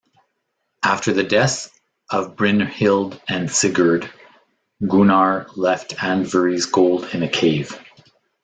After the deaths of Brynhild and Sigurd, Gunnar left Andvari's gold in a cave.